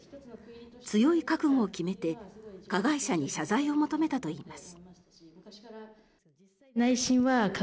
強い覚悟を決めて、加害者に謝罪を求めたといいます。